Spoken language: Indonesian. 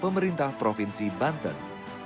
pemerintah provinsi banten